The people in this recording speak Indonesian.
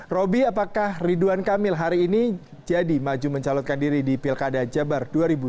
roby apakah ridwan kamil hari ini jadi maju mencalonkan diri di pilkada jabar dua ribu delapan belas